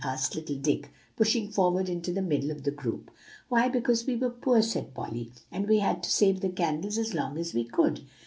asked little Dick, pushing forward into the middle of the group. "Why, because we were poor," said Polly, "and we had to save the candles as long as we could.